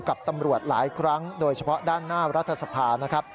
กับตำรวจหลายครั้งโดยเฉพาะด้านหน้ารัฐสภานะครับ